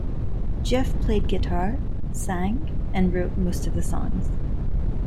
Geoff played guitar, sang, and wrote most of the songs.